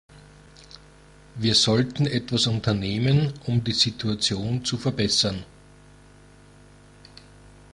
Wir sollten etwas unternehmen, um die Situation zu verbessern.